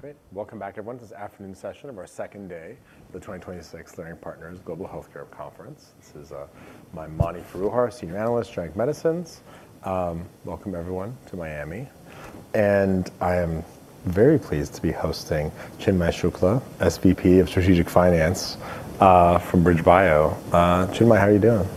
Great. Welcome back, everyone. This is the afternoon session of our second day of the 2026 Leerink Partners Global Healthcare Conference. This is Mani Foroohar, Senior Analyst, Generic Medicines. Welcome everyone to Miami, and I am very pleased to be hosting Chinmay Shukla, SVP of Strategic Finance from BridgeBio. Chinmay, how are you doing?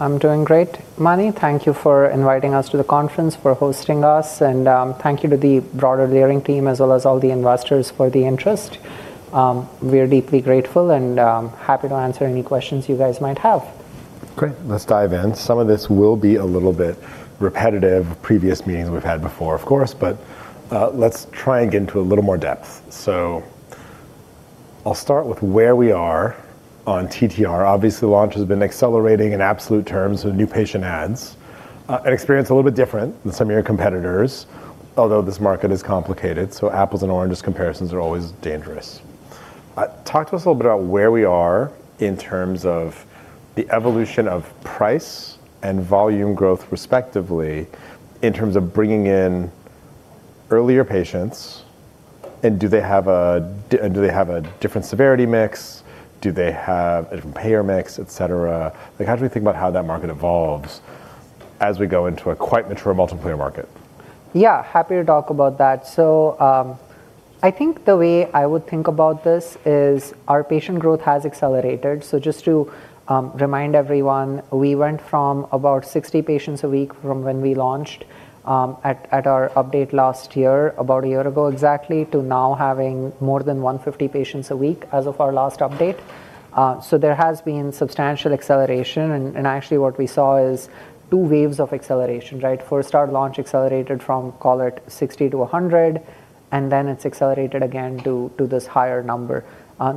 I'm doing great. Mani, thank you for inviting us to the conference, for hosting us, and, thank you to the broader Leerink team, as well as all the investors for the interest. We are deeply grateful and, happy to answer any questions you guys might have. Great. Let's dive in. Some of this will be a little bit repetitive, previous meetings we've had before, of course, but, let's try and get into a little more depth. I'll start with where we are on TTR. Obviously, launch has been accelerating in absolute terms with new patient adds. An experience a little bit different than some of your competitors, although this market is complicated, so apples and oranges comparisons are always dangerous. Talk to us a little bit about where we are in terms of the evolution of price and volume growth, respectively, in terms of bringing in earlier patients, and do they have a different severity mix? Do they have a different payer mix, et cetera? Like, how do we think about how that market evolves as we go into a quite mature multi-player market? Yeah, happy to talk about that. I think the way I would think about this is our patient growth has accelerated. Just to remind everyone, we went from about 60 patients a week from when we launched at our update last year, about a year ago exactly, to now having more than 150 patients a week as of our last update. There has been substantial acceleration and actually what we saw is two waves of acceleration, right? For a start, launch accelerated from, call it 60-100, and then it's accelerated again to this higher number.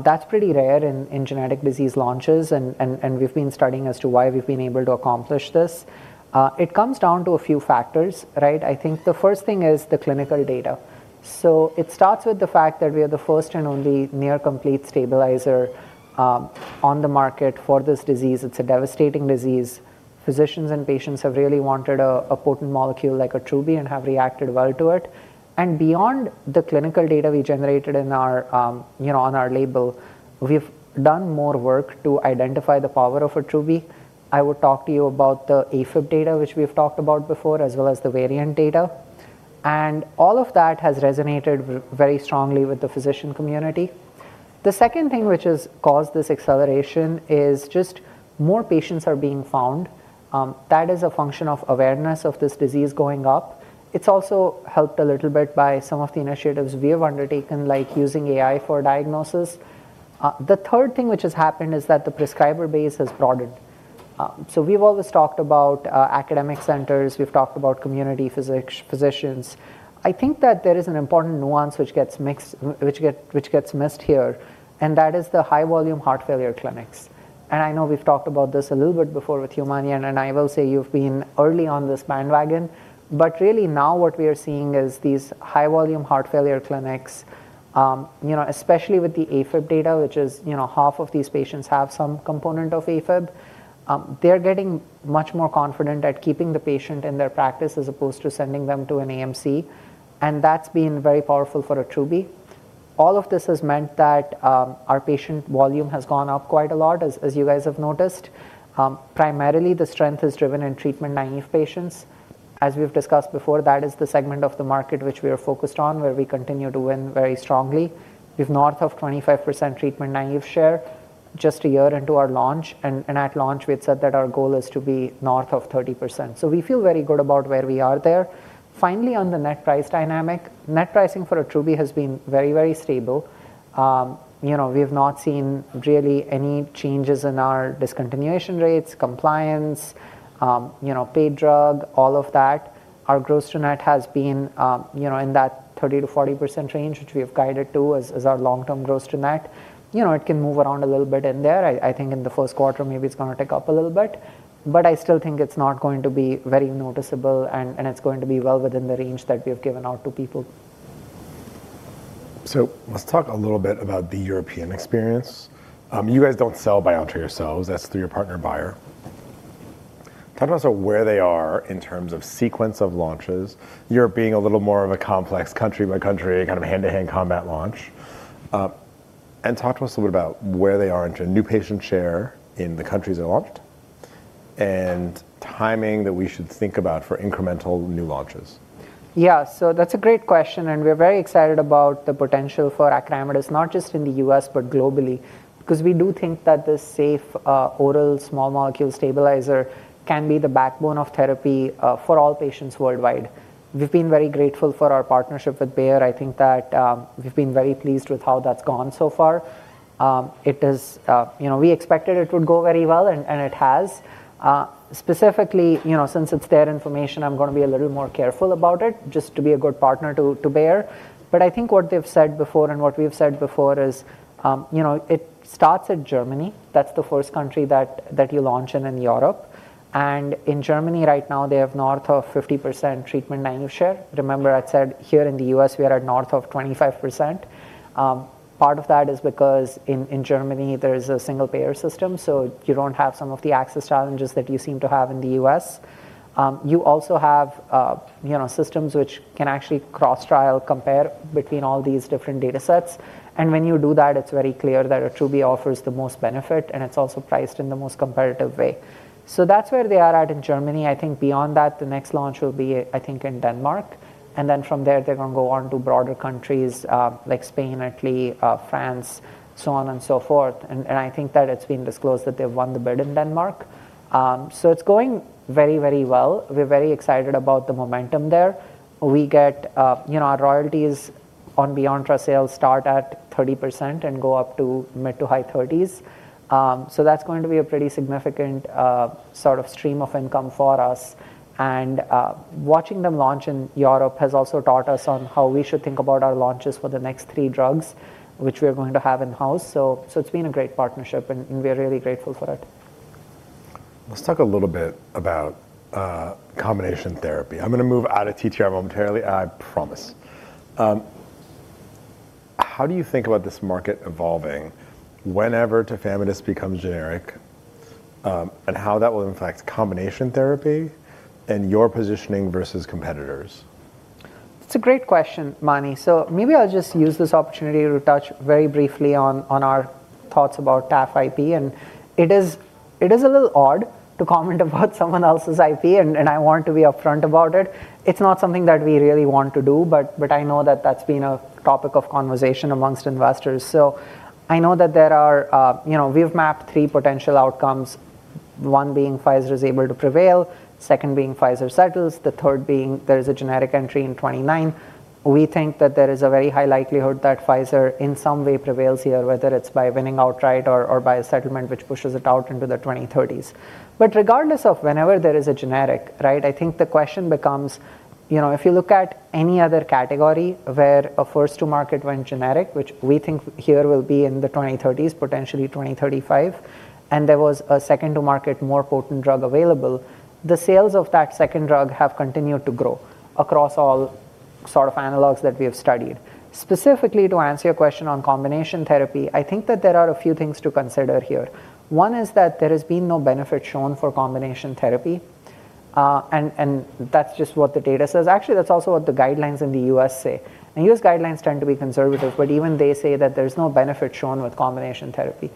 That's pretty rare in genetic disease launches and we've been studying as to why we've been able to accomplish this. It comes down to a few factors, right? I think the first thing is the clinical data. It starts with the fact that we are the first and only near complete stabilizer on the market for this disease. It's a devastating disease. Physicians and patients have really wanted a potent molecule like Attruby and have reacted well to it. Beyond the clinical data we generated in our you know on our label, we've done more work to identify the power of Attruby. I will talk to you about the AFib data, which we've talked about before, as well as the variant data. All of that has resonated very strongly with the physician community. The second thing which has caused this acceleration is just more patients are being found. That is a function of awareness of this disease going up. It's also helped a little bit by some of the initiatives we have undertaken, like using AI for diagnosis. The third thing which has happened is that the prescriber base has broadened. We've always talked about academic centers. We've talked about community physicians. I think that there is an important nuance which gets missed here, and that is the high volume heart failure clinics. I know we've talked about this a little bit before with you, Mani, and I will say you've been early on this bandwagon. Really now what we are seeing is these high volume heart failure clinics, you know, especially with the AFib data, which is, you know, half of these patients have some component of AFib. They're getting much more confident at keeping the patient in their practice as opposed to sending them to an AMC, and that's been very powerful for Attruby. All of this has meant that our patient volume has gone up quite a lot, as you guys have noticed. Primarily, the strength is driven in treatment-naive patients. As we've discussed before, that is the segment of the market which we are focused on, where we continue to win very strongly. We have north of 25% treatment-naive share just a year into our launch, and at launch, we had said that our goal is to be north of 30%. We feel very good about where we are there. Finally, on the net price dynamic, net pricing for Attruby has been very, very stable. You know, we have not seen really any changes in our discontinuation rates, compliance, you know, paid drug, all of that. Our gross to net has been, you know, in that 30%-40% range, which we have guided to as our long-term gross to net. You know, it can move around a little bit in there. I think in the first quarter, maybe it's gonna tick up a little bit, but I still think it's not going to be very noticeable and it's going to be well within the range that we have given out to people. Let's talk a little bit about the European experience. You guys don't sell Beyonttra yourselves. That's through your partner Bayer. Talk to us about where they are in terms of sequence of launches. It being a little more of a complex country by country, kind of hand-to-hand combat launch. Talk to us a little bit about where they are in terms of new patient share in the countries they launched and timing that we should think about for incremental new launches. Yeah. That's a great question, and we're very excited about the potential for acoramidis, not just in the U.S., but globally, because we do think that this safe oral small molecule stabilizer can be the backbone of therapy for all patients worldwide. We've been very grateful for our partnership with Bayer. I think that we've been very pleased with how that's gone so far. It is, you know, we expected it would go very well, and it has. Specifically, you know, since it's their information, I'm gonna be a little more careful about it just to be a good partner to Bayer. I think what they've said before and what we have said before is, you know, it starts in Germany. That's the first country that you launch in Europe. In Germany right now, they have north of 50% treatment-naive share. Remember I said here in the U.S., we are at north of 25%. Part of that is because in Germany, there is a single-payer system, so you don't have some of the access challenges that you seem to have in the U.S. You also have, you know, systems which can actually cross-trial compare between all these different datasets. When you do that, it's very clear that Attruby offers the most benefit, and it's also priced in the most competitive way. That's where they are at in Germany. I think beyond that, the next launch will be, I think, in Denmark, and then from there they're gonna go on to broader countries, like Spain, Italy, France, so on and so forth. I think that it's been disclosed that they've won the bid in Denmark. It's going very well. We're very excited about the momentum there. We get our royalties on Beyonttra sales start at 30% and go up to mid- to high 30s%. That's going to be a pretty significant sort of stream of income for us. Watching them launch in Europe has also taught us on how we should think about our launches for the next three drugs which we are going to have in-house. It's been a great partnership and we're really grateful for it. Let's talk a little bit about combination therapy. I'm gonna move out of TTR momentarily, I promise. How do you think about this market evolving whenever tafamidis becomes generic, and how that will impact combination therapy and your positioning versus competitors? It's a great question, Mani. Maybe I'll just use this opportunity to touch very briefly on our thoughts about tafamidis IP. It is a little odd to comment about someone else's IP, and I want to be upfront about it. It's not something that we really want to do, but I know that that's been a topic of conversation amongst investors. I know that there are, you know, we've mapped three potential outcomes, one being Pfizer is able to prevail, second being Pfizer settles, the third being there is a generic entry in 2029. We think that there is a very high likelihood that Pfizer, in some way, prevails here, whether it's by winning outright or by a settlement which pushes it out into the 2030s. Regardless of whenever there is a generic, right? I think the question becomes, you know, if you look at any other category where a first to market went generic, which we think here will be in the 2030s, potentially 2035, and there was a second to market more potent drug available, the sales of that second drug have continued to grow across all sort of analogs that we have studied. Specifically, to answer your question on combination therapy, I think that there are a few things to consider here. One is that there has been no benefit shown for combination therapy, and that's just what the data says. Actually, that's also what the guidelines in the U.S. say. The U.S. guidelines tend to be conservative, but even they say that there's no benefit shown with combination therapy.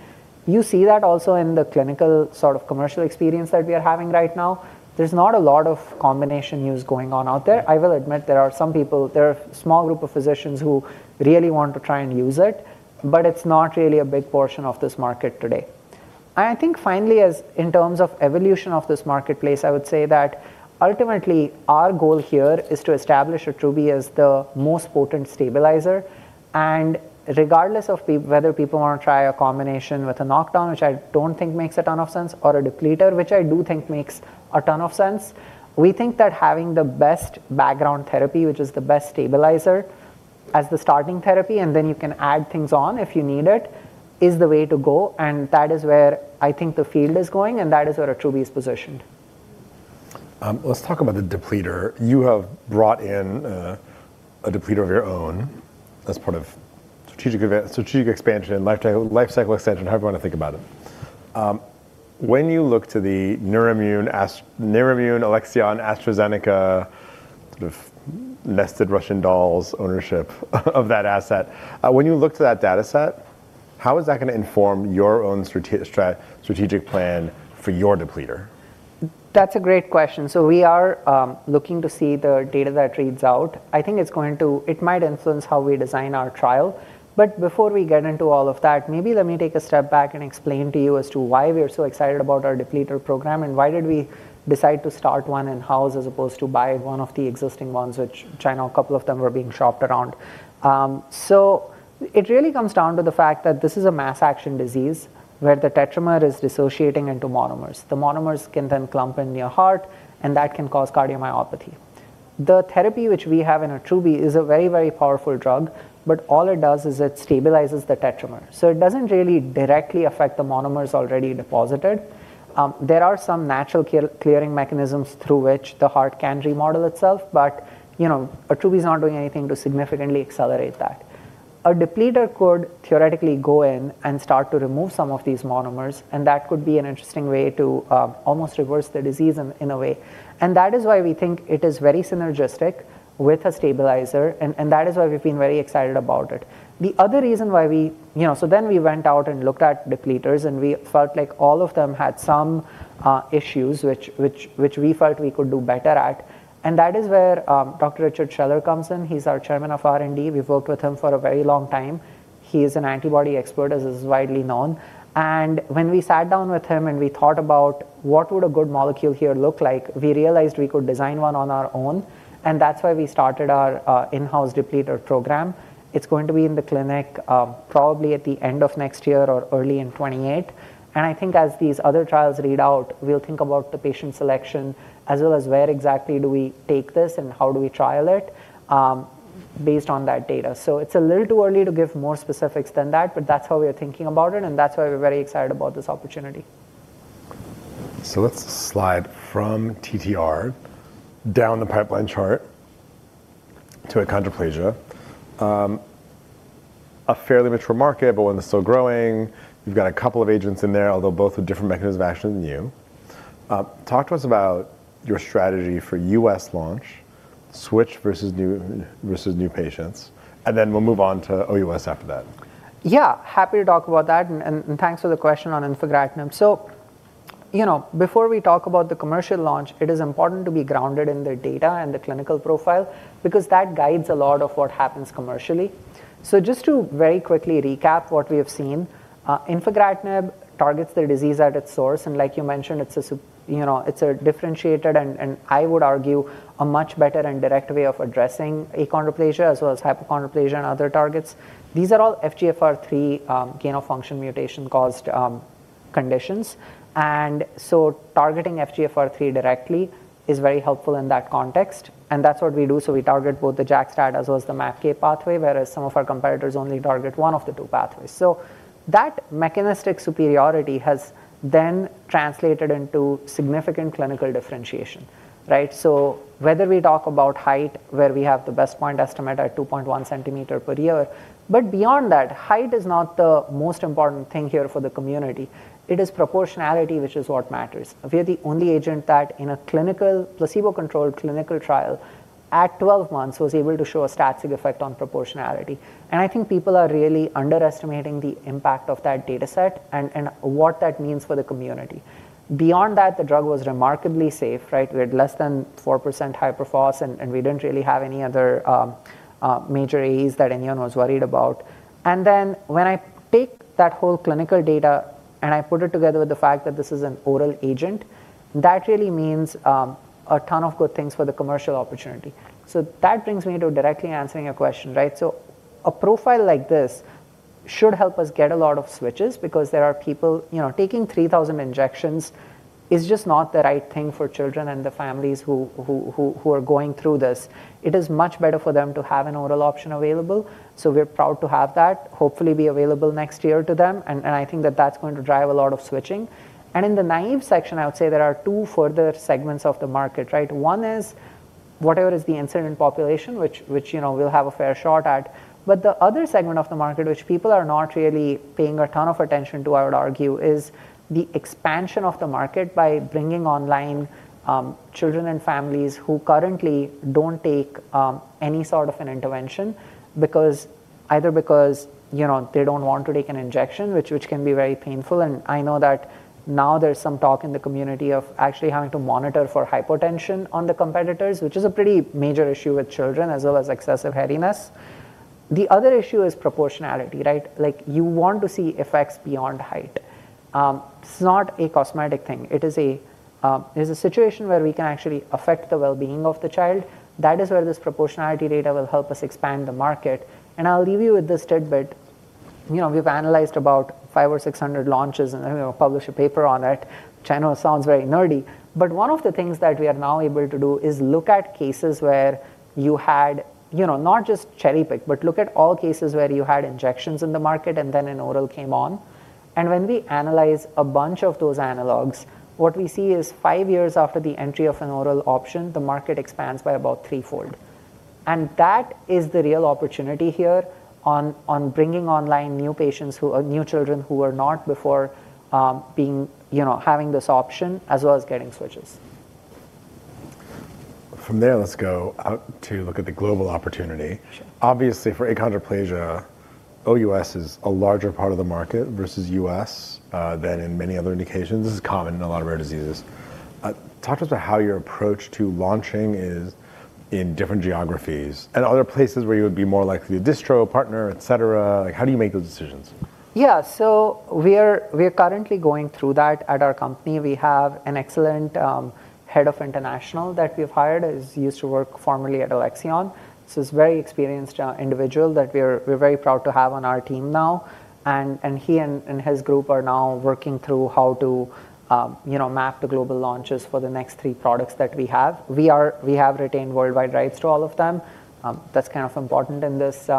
You see that also in the clinical sort of commercial experience that we are having right now. There's not a lot of combination use going on out there. There are a small group of physicians who really want to try and use it, but it's not really a big portion of this market today. I think finally, as in terms of evolution of this marketplace, I would say that ultimately our goal here is to establish Attruby as the most potent stabilizer. Regardless of whether people wanna try a combination with a knockdown, which I don't think makes a ton of sense, or a depleter, which I do think makes a ton of sense, we think that having the best background therapy, which is the best stabilizer as the starting therapy, and then you can add things on if you need it, is the way to go, and that is where I think the field is going, and that is where Attruby is positioned. Let's talk about the depleter. You have brought in a depleter of your own as part of strategic expansion, life cycle extension, however you wanna think about it. When you look to the Neurimmune, Alexion, AstraZeneca, sort of nested Russian dolls ownership of that asset, when you look to that data set, how is that gonna inform your own strategic plan for your depleter? That's a great question. We are looking to see the data that reads out. I think it might influence how we design our trial. Before we get into all of that, maybe let me take a step back and explain to you as to why we are so excited about our depleter program and why did we decide to start one in-house as opposed to buy one of the existing ones, which I know a couple of them were being shopped around. It really comes down to the fact that this is a mass action disease where the tetramer is dissociating into monomers. The monomers can then clump in your heart, and that can cause cardiomyopathy. The therapy which we have in Attruby is a very, very powerful drug, but all it does is it stabilizes the tetramer. It doesn't really directly affect the monomers already deposited. There are some natural clearing mechanisms through which the heart can remodel itself, but, you know, Attruby's not doing anything to significantly accelerate that. A depleter could theoretically go in and start to remove some of these monomers, and that could be an interesting way to almost reverse the disease in a way. That is why we think it is very synergistic with a stabilizer, and that is why we've been very excited about it. The other reason why we went out and looked at depleters, and we felt like all of them had some issues which we felt we could do better at. That is where Dr. Richard Scheller comes in. He's our Chairman of R&D. We've worked with him for a very long time. He is an antibody expert, as is widely known. When we sat down with him and we thought about what would a good molecule here look like, we realized we could design one on our own, and that's why we started our in-house depleter program. It's going to be in the clinic, probably at the end of next year or early in 2028. I think as these other trials read out, we'll think about the patient selection as well as where exactly do we take this and how do we trial it, based on that data. It's a little too early to give more specifics than that, but that's how we are thinking about it and that's why we're very excited about this opportunity. Let's slide from TTR down the pipeline chart to achondroplasia. A fairly mature market, but one that's still growing. You've got a couple of agents in there, although both with different mechanisms of action than you. Talk to us about your strategy for U.S. launch, switch versus new, versus new patients, and then we'll move on to OUS after that. Yeah, happy to talk about that and thanks for the question on infigratinib. You know, before we talk about the commercial launch, it is important to be grounded in the data and the clinical profile because that guides a lot of what happens commercially. Just to very quickly recap what we have seen, infigratinib targets the disease at its source, and like you mentioned, you know, it's a differentiated and I would argue, a much better and direct way of addressing achondroplasia as well as hypochondroplasia and other targets. These are all FGFR3 gain-of-function mutation-caused conditions. Targeting FGFR3 directly is very helpful in that context, and that's what we do, so we target both the JAK/STAT as well as the MAPK pathway, whereas some of our competitors only target one of the two pathways. That mechanistic superiority has then translated into significant clinical differentiation, right? Whether we talk about height, where we have the best point estimate at 2.1 cm per year, but beyond that, height is not the most important thing here for the community. It is proportionality, which is what matters. We are the only agent that in a placebo-controlled clinical trial at 12 months was able to show a static effect on proportionality. I think people are really underestimating the impact of that data set and what that means for the community. Beyond that, the drug was remarkably safe, right? We had less than 4% hyperphosphatemia, and we didn't really have any other major AEs that anyone was worried about. When I take that whole clinical data and I put it together with the fact that this is an oral agent, that really means a ton of good things for the commercial opportunity. That brings me to directly answering your question, right? A profile like this should help us get a lot of switches because there are people you know taking 3,000 injections is just not the right thing for children and the families who are going through this. It is much better for them to have an oral option available, so we're proud to have that hopefully be available next year to them, and I think that that's going to drive a lot of switching. In the naive section, I would say there are two further segments of the market, right? One is whatever is the incident population, which you know, we'll have a fair shot at. The other segment of the market, which people are not really paying a ton of attention to, I would argue, is the expansion of the market by bringing online children and families who currently don't take any sort of an intervention because they don't want to take an injection, which can be very painful, and I know that now there's some talk in the community of actually having to monitor for hypotension on the competitors, which is a pretty major issue with children, as well as excessive headaches. The other issue is proportionality, right? Like, you want to see effects beyond height. It's not a cosmetic thing. It is a situation where we can actually affect the well-being of the child. That is where this proportionality data will help us expand the market. I'll leave you with this tidbit. You know, we've analyzed about 500 or 600 launches, and then we'll publish a paper on it, which I know sounds very nerdy. One of the things that we are now able to do is look at cases where you had, you know, not just cherry-pick, but look at all cases where you had injections in the market and then an oral came on. When we analyze a bunch of those analogs, what we see is five years after the entry of an oral option, the market expands by about threefold. That is the real opportunity here on bringing online new patients, new children who were not before being, you know, having this option as well as getting switches. From there, let's go out to look at the global opportunity. Sure. Obviously, for achondroplasia, OUS is a larger part of the market versus U.S., than in many other indications. This is common in a lot of rare diseases. Talk to us about how your approach to launching is in different geographies and other places where you would be more likely to distro, partner, et cetera. Like, how do you make those decisions? Yeah. We're currently going through that at our company. We have an excellent head of international that we've hired, who used to work formerly at Alexion. He's a very experienced individual that we're very proud to have on our team now. He and his group are now working through how to map the global launches for the next three products that we have. We have retained worldwide rights to all of them. That's kind of important in this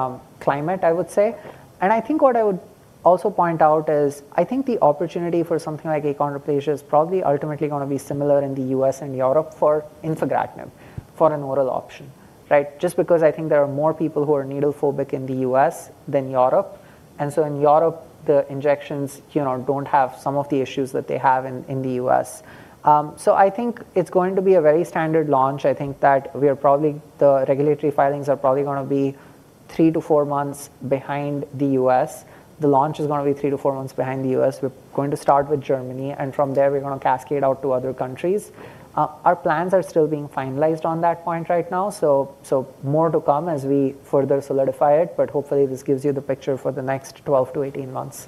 climate, I would say. I think what I would also point out is, I think the opportunity for something like achondroplasia is probably ultimately gonna be similar in the U.S. and Europe for infigratinib for an oral option, right? Just because I think there are more people who are needle phobic in the U.S. than Europe. In Europe, the injections, you know, don't have some of the issues that they have in the U.S. I think it's going to be a very standard launch. I think that the regulatory filings are probably gonna be 3-4 months behind the U.S. The launch is gonna be 3-4 months behind the U.S. We're going to start with Germany, and from there, we're gonna cascade out to other countries. Our plans are still being finalized on that point right now, so more to come as we further solidify it, but hopefully, this gives you the picture for the next 12-18 months.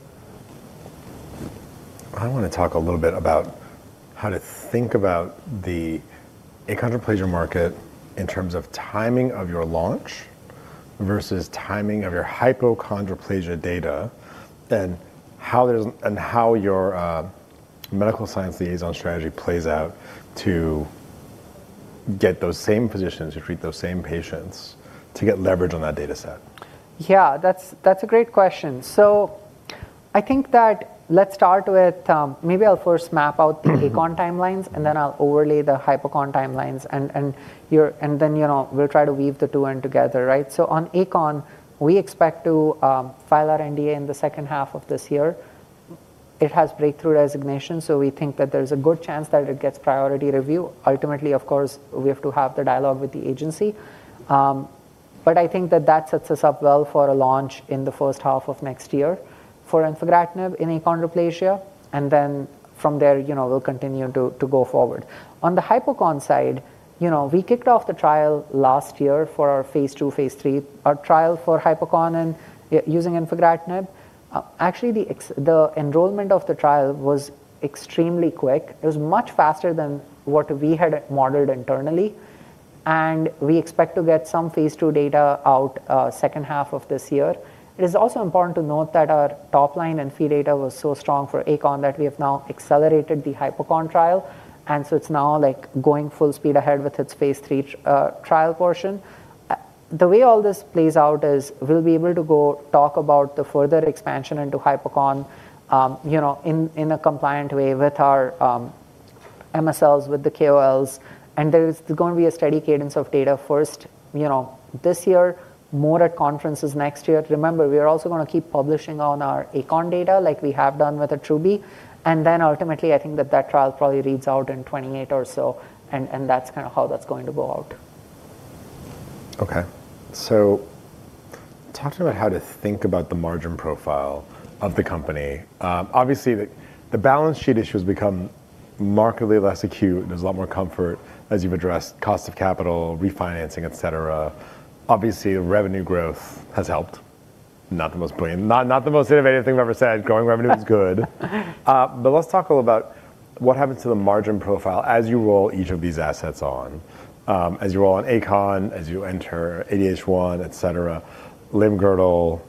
I want to talk a little bit about how to think about the achondroplasia market in terms of timing of your launch versus timing of your hypochondroplasia data and how your medical science liaison strategy plays out to get those same physicians who treat those same patients to get leverage on that data set. That's a great question. I think that let's start with, maybe I'll first map out the achondroplasia timelines and then I'll overlay the hypochondroplasia timelines and then, you know, we'll try to weave the two in together, right? On achondroplasia, we expect to file our NDA in the second half of this year. It has breakthrough designation, so we think that there's a good chance that it gets priority review. Ultimately, of course, we have to have the dialogue with the agency. But I think that sets us up well for a launch in the first half of next year for infigratinib in achondroplasia. Then from there, you know, we'll continue to go forward. On the hypochondroplasia side, you know, we kicked off the trial last year for our phase II, phase III, our trial for hypochondroplasia and using infigratinib. Actually, the enrollment of the trial was extremely quick. It was much faster than what we had modeled internally, and we expect to get some phase II data out, second half of this year. It is also important to note that our top line infigratinib data was so strong for achondroplasia that we have now accelerated the hypochondroplasia trial, and so it's now like going full speed ahead with its phase III trial portion. The way all this plays out is we'll be able to go talk about the further expansion into hypochondroplasia, you know, in a compliant way with our MSLs, with the KOLs, and there's going to be a steady cadence of data first, you know, this year, more at conferences next year. Remember, we are also gonna keep publishing on our achondroplasia data like we have done with Attruby. Ultimately, I think that trial probably reads out in 2028 or so, and that's kinda how that's going to go out. Okay. Talk to me about how to think about the margin profile of the company. Obviously, the balance sheet issue has become markedly less acute, and there's a lot more comfort as you've addressed cost of capital, refinancing, et cetera. Obviously, revenue growth has helped. Not the most innovative thing I've ever said, growing revenue is good. Let's talk a little about what happens to the margin profile as you roll each of these assets on. As you roll on achondroplasia, as you enter ADH1, et cetera, limb-girdle.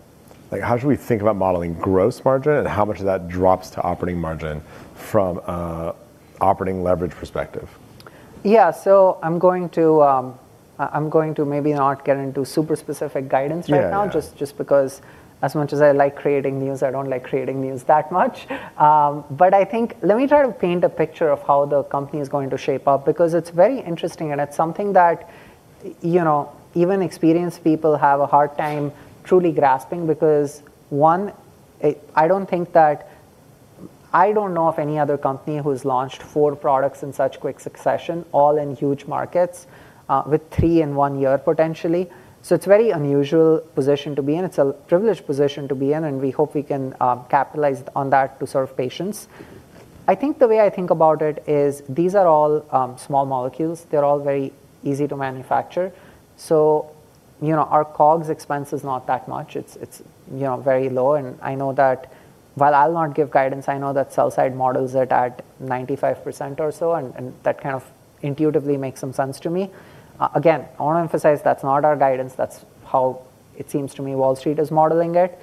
Like, how should we think about modeling gross margin and how much of that drops to operating margin from an operating leverage perspective? Yeah. I'm going to maybe not get into super specific guidance right now. Yeah. Just because as much as I like creating news, I don't like creating news that much. But I think, let me try to paint a picture of how the company is going to shape up because it's very interesting, and it's something that, you know, even experienced people have a hard time truly grasping because, one, I don't know of any other company who's launched four products in such quick succession, all in huge markets, with three in one year, potentially. It's a very unusual position to be in. It's a privileged position to be in, and we hope we can capitalize on that to serve patients. I think the way I think about it is these are all small molecules. They're all very easy to manufacture. You know, our COGS expense is not that much. It's you know, very low. I know that while I'll not give guidance, I know that sell-side models are at 95% or so, and that kind of intuitively makes some sense to me. Again, I wanna emphasize that's not our guidance. That's how it seems to me Wall Street is modeling it.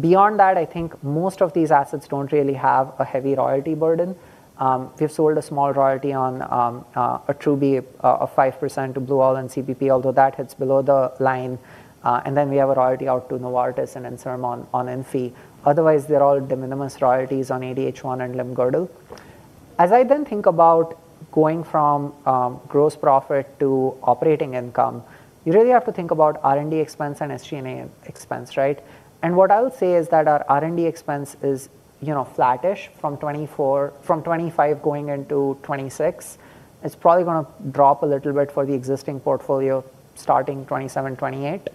Beyond that, I think most of these assets don't really have a heavy royalty burden. We have sold a small royalty on Attruby of 5% to Blue Owl and CPP, although that hits below the line. And then we have a royalty out to Novartis and Inserm on infigratinib. Otherwise, they're all de minimis royalties on ADH1 and limb-girdle. As I then think about going from gross profit to operating income, you really have to think about R&D expense and SG&A expense, right? What I would say is that our R&D expense is, you know, flattish from 2025 going into 2026. It's probably gonna drop a little bit for the existing portfolio starting 2027, 2028.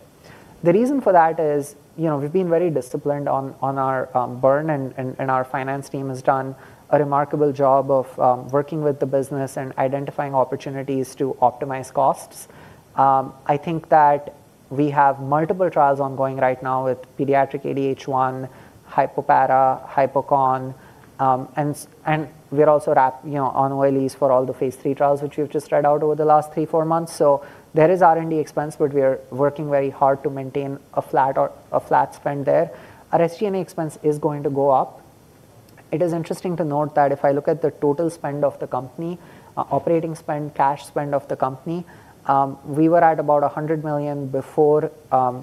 The reason for that is, you know, we've been very disciplined on our burn and our finance team has done a remarkable job of working with the business and identifying opportunities to optimize costs. I think that we have multiple trials ongoing right now with pediatric ADH1, hypoparathyroidism, hypochondroplasia, and we're also wrapping up, you know, on OLEs for all the phase III trials, which we've just read out over the last three, four months. There is R&D expense, but we are working very hard to maintain a flat spend there. Our SG&A expense is going to go up. It is interesting to note that if I look at the total spend of the company, operating spend, cash spend of the company, we were at about $100 million before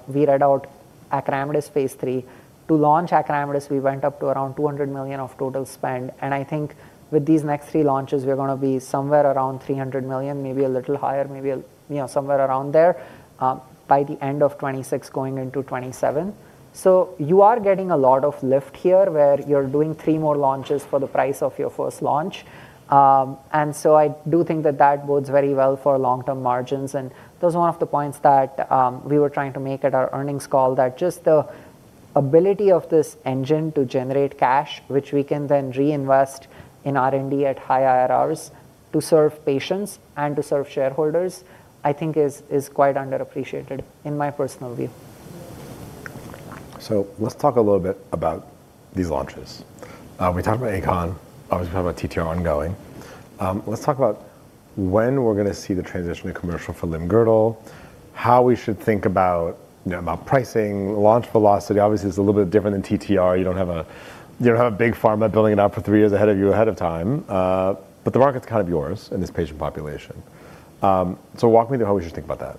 we read out acoramidis phase III. To launch acoramidis, we went up to around $200 million of total spend. I think with these next three launches, we're gonna be somewhere around $300 million, maybe a little higher, maybe a, you know, somewhere around there, by the end of 2026, going into 2027. You are getting a lot of lift here where you're doing three more launches for the price of your first launch. I do think that that bodes very well for long-term margins. That's one of the points that we were trying to make at our earnings call, that just the ability of this engine to generate cash, which we can then reinvest in R&D at high IRRs to serve patients and to serve shareholders, I think is quite underappreciated in my personal view. Let's talk a little bit about these launches. We talked about achondroplasia, obviously we have a TTR ongoing. Let's talk about when we're gonna see the transition to commercial for limb-girdle. How we should think about, you know, about pricing, launch velocity obviously is a little bit different than TTR. You don't have a big pharma building it out for three years ahead of you ahead of time. The market's kind of yours in this patient population. Walk me through how we should think about that.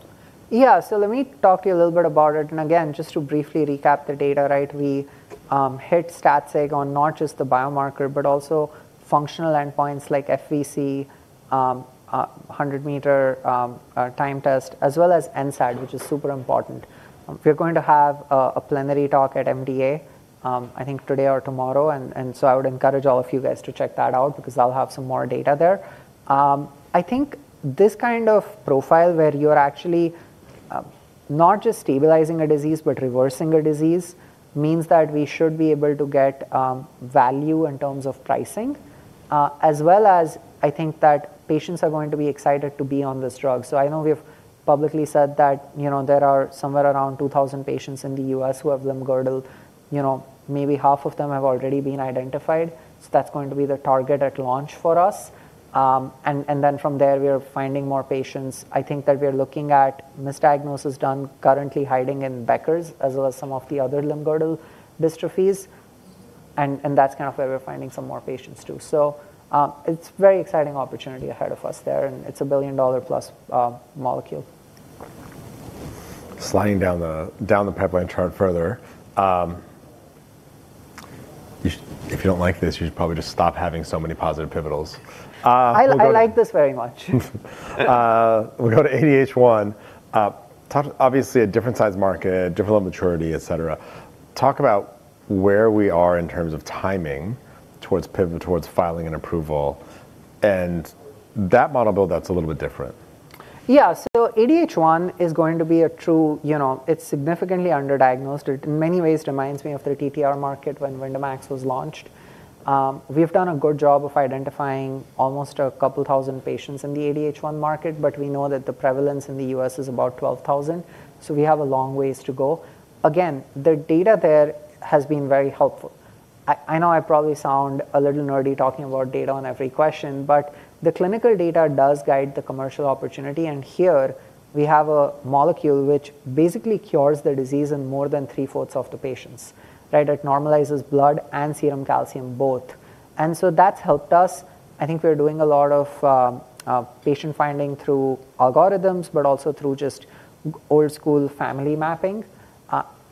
Yeah. Let me talk to you a little bit about it. Again, just to briefly recap the data, right? We hit stat sig on not just the biomarker, but also functional endpoints like FVC, 100-meter time test as well as NSAD, which is super important. We're going to have a plenary talk at MDA, I think today or tomorrow. And so I would encourage all of you guys to check that out because I'll have some more data there. I think this kind of profile where you're actually not just stabilizing a disease but reversing a disease means that we should be able to get value in terms of pricing, as well as I think that patients are going to be excited to be on this drug. I know we've publicly said that, you know, there are somewhere around 2,000 patients in the U.S. who have limb-girdle. You know, maybe half of them have already been identified, so that's going to be the target at launch for us. And then from there, we are finding more patients. I think that we are looking at misdiagnosis done currently hiding in Becker's as well as some of the other limb-girdle dystrophies, and that's kind of where we're finding some more patients too. It's very exciting opportunity ahead of us there, and it's a billion-dollar-plus molecule. Sliding down the pipeline chart further. If you don't like this, you should probably just stop having so many positive pivotals. I like this very much. We go to ADH1. Obviously a different size market, different level of maturity, et cetera. Talk about where we are in terms of timing towards pivotal, towards filing for approval and that model build that's a little bit different. Yeah. ADH1 is going to be a true, you know. It's significantly underdiagnosed. It in many ways reminds me of the TTR market when Vyndamax was launched. We've done a good job of identifying almost a couple thousand patients in the ADH1 market, but we know that the prevalence in the U.S. is about 12,000, so we have a long ways to go. Again, the data there has been very helpful. I know I probably sound a little nerdy talking about data on every question, but the clinical data does guide the commercial opportunity. Here we have a molecule which basically cures the disease in more than 3/4 of the patients, right? It normalizes blood and serum calcium both. That's helped us. I think we're doing a lot of patient finding through algorithms, but also through just old school family mapping,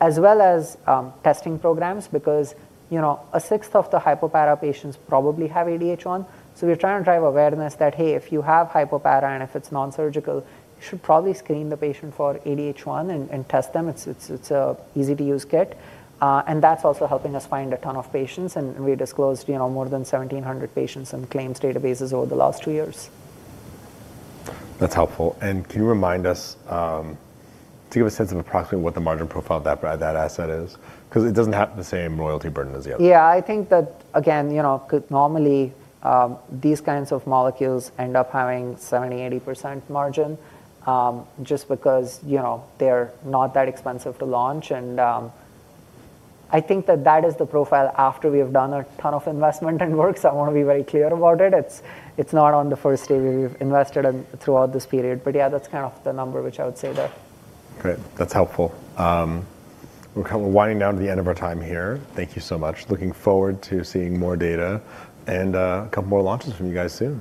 as well as testing programs because, you know, a sixth of the hypoparathyroidism patients probably have ADH1. We are trying to drive awareness that, hey, if you have hypoparathyroidism and if it's non-surgical, you should probably screen the patient for ADH1 and test them. It's a easy-to-use kit. And that's also helping us find a ton of patients, and we disclosed, you know, more than 1,700 patients in claims databases over the last two years. That's helpful. Can you remind us to give a sense of approximately what the margin profile of that asset is? 'Cause it doesn't have the same royalty burden as the other. Yeah. I think that again, you know, could normally these kinds of molecules end up having 70%-80% margin, just because, you know, they're not that expensive to launch. I think that is the profile after we have done a ton of investment and work. I wanna be very clear about it. It's not on the first day we've invested throughout this period, but yeah, that's kind of the number which I would say there. Great. That's helpful. We're kind of winding down to the end of our time here. Thank you so much. Looking forward to seeing more data and a couple more launches from you guys soon.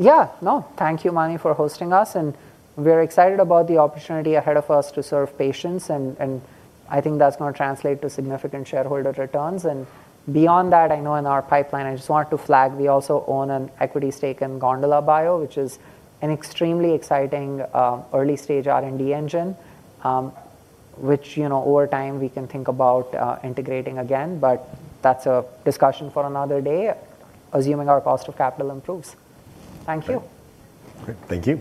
Yeah, no, thank you, Mani, for hosting us, and we're excited about the opportunity ahead of us to serve patients and I think that's gonna translate to significant shareholder returns. Beyond that, I know in our pipeline, I just wanted to flag, we also own an equity stake in GondolaBio, which is an extremely exciting early-stage R&D engine, which, you know, over time we can think about integrating again. But that's a discussion for another day, assuming our cost of capital improves. Thank you. Great. Thank you.